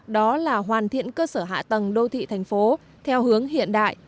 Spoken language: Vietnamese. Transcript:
đó là hoàn thiện cơ sở hạ tầng đô thị thành phố theo hướng hiện đại